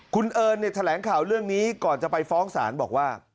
คุณเอิญเนี่ยแถลงข่าวเรื่องนี้ก่อนจะไปฟ้องศาลบอกว่า